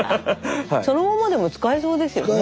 そのままでも使えそうですよね？